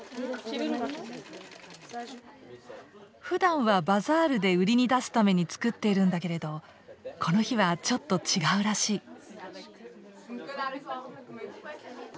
ふだんはバザールで売りに出すために作ってるんだけれどこの日はちょっと違うらしい。